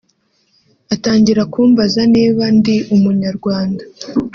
atangira kumbaza niba ndi Umunyarwanda